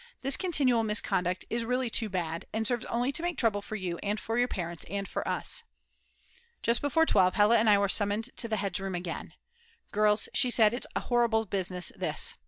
This continual misconduct is really too bad, and serves only to make trouble for you and for your parents and for us." Just before 12 Hella and I were summoned to the head's room again. "Girls," she said, "it's a horrible business this.